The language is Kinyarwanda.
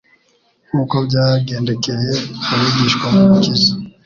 Nk'uko byagendekeye, abigishwa b'Umukiza,